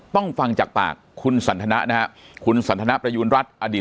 ต้องฟังจากปากคุณสันธนานะครับคุณสันธนาประยูณรัฐอดีต